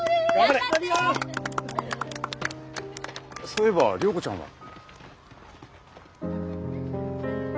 そういえば良子ちゃんは？